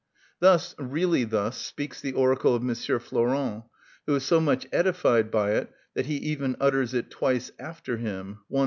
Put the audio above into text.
Thus, really thus, speaks the oracle of M. Flourens, who is so much edified by it, that he even utters it twice after him (i.